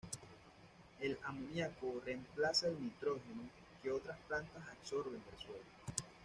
El amoniaco reemplaza el nitrógeno que otras plantas absorben del suelo.